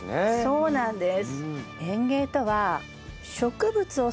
そうなんです。